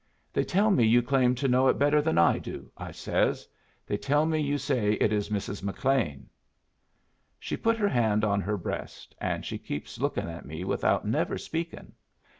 'They tell me you claim to know it better than I do,' I says. 'They tell me you say it is Mrs. McLean.' She put her hand on her breast, and she keeps lookin' at me without never speaking.